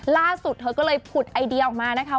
ล่าสุดเธอก็เลยผุดไอเดียออกมานะคะ